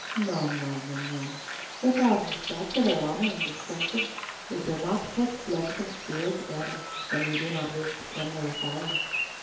"No, no, mignonne; with all respect to their honour and discretion, we do not put flint and steel together, when we do not wish to kindle a fire.